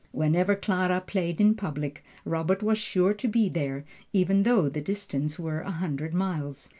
Whenever Clara played in public, Robert was sure to be there, even though the distance were a hundred miles.